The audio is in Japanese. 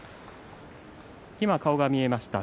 今、顔が見えました